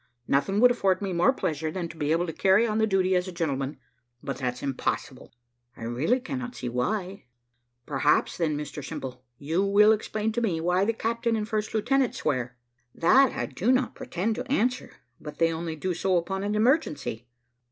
Nothing would afford me more pleasure than to be able to carry on the duty as a gentleman, but that's impossible." "I really cannot see why." "Perhaps, then, Mr Simple, you will explain to me why the captain and first lieutenant swear." "That I do not pretend to answer, but they only do so upon an emergency."